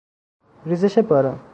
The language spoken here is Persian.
ریزش باران